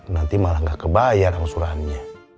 nanti malah nggak kebayar angsurannya